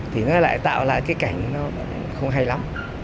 thì nó lại tạo lại cái cảnh nó không hay lắm